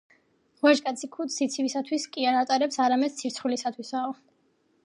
ვაჟკაცი ქუდს სიცივისათვის კი არ ატარებს, არამედ სირცხვილისათვისაო